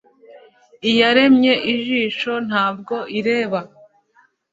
iyaremye ijisho ntabwo ireba